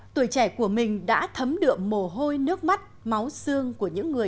tuổi trẻ của mình đã thấm đượm mồ hôi nước mắt máu xương của những người